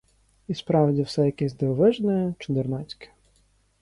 І справді все якесь дивовижне, чудернацьке.